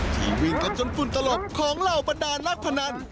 วิ่งกันจนฝุ่นตลบของเหล่าบรรดานักพนัน